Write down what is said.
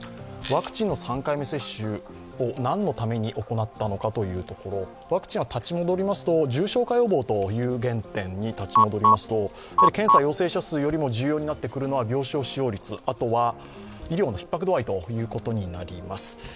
ワクチンの３回目接種を何のために行ったのかというところワクチンは立ち戻りますと重症化予防という原点に立ち戻りますと検査陽性者数よりも重要になってくるのは病床使用率、あとは医療のひっ迫度合いとなります。